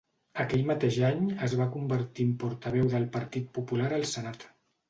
Aquell mateix any es va convertir en portaveu del Partit Popular al Senat.